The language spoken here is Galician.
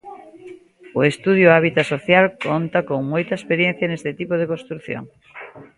O estudio Hábitat Social conta con moita experiencia neste tipo de construción.